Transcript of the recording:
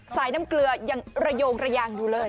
น้ำเกลือยังระโยงระยางอยู่เลย